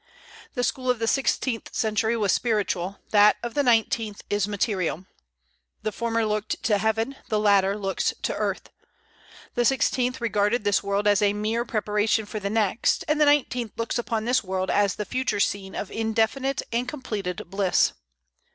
The school of the sixteenth century was spiritual, that of the nineteenth is material; the former looked to heaven, the latter looks to earth. The sixteenth regarded this world as a mere preparation for the next, and the nineteenth looks upon this world as the future scene of indefinite and completed bliss.